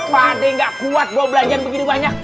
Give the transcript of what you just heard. pak d nggak kuat bawa belanjaan begitu banyak